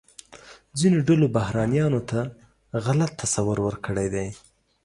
ځینو ډلو بهرنیانو ته غلط تصور ورکړی دی.